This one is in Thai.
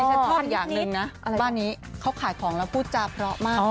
ฉันชอบอีกอย่างหนึ่งนะบ้านนี้เขาขายของแล้วพูดจาเพราะมาก